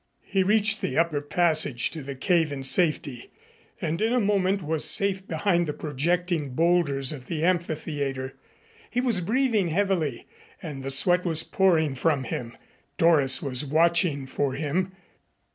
He reached the upper passage to the cave in safety and in a moment was safe behind the projecting bowlders of the amphitheater. He was breathing heavily, and the sweat was pouring from him. Doris was watching for him.